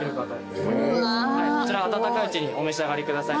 こちら温かいうちにお召し上がりください。